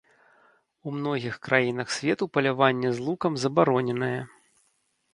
У многіх краінах свету паляванне з лукам забароненае.